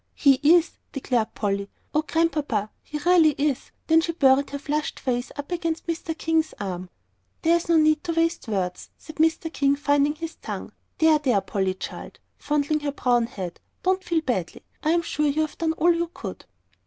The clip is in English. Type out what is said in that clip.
"He is," declared Polly. "Oh, Grandpapa, he really is!" Then she buried her flushed face up against Mr. King's arm. "There is no need to waste words," said Mr. King, finding his tongue. "There, there, Polly, child," fondling her brown head, "don't feel badly. I'm sure you've done all you could."